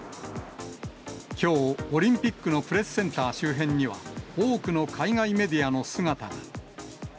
きょう、オリンピックのプレスセンター周辺には、多くの海外メディアの姿が。